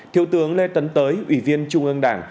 thiếu tướng lê tấn tới ủy viên trung ương đảng